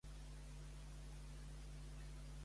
Quantes persones no han estat ferides de gravetat?